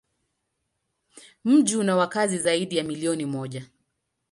Mji una wakazi zaidi ya milioni moja.